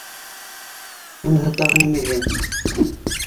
— Уныһы тағы нимәгә?